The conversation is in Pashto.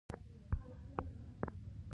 تلخیص خلاصې ته ويل کیږي.